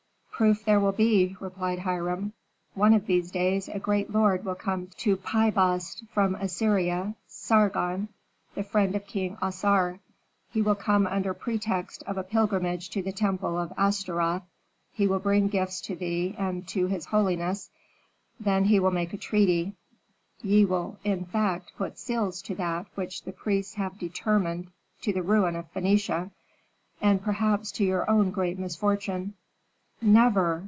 "Proof there will be," replied Hiram. "One of these days a great lord will come to Pi Bast from Assyria, Sargon, the friend of King Assar. He will come under pretext of a pilgrimage to the temple of Astaroth, he will bring gifts to thee and to his holiness; then he will make a treaty. Ye will in fact put seals to that which the priests have determined to the ruin of Phœnicia, and perhaps to your own great misfortune." "Never!